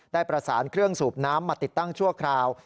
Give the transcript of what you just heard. ได้ประสานเครื่องสูบน้ำมาติดตั้งชั่วคราว